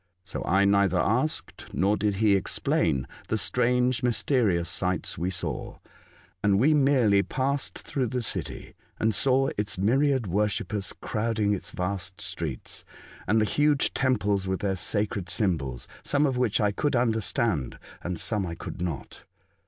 So I neither asked nor did he explain the strange mysterious sights we saw, and we merely passed through the city and saw its myriad worshippers crowding its vast streets, and the huge temples with their sacred symbols, some of which I could understand and some I could not.